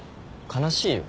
悲しいよ。